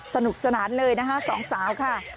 สนุกสนานเลยนะคะสองสาวค่ะ